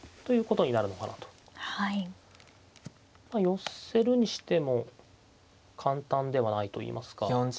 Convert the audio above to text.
寄せるにしても簡単ではないといいますか。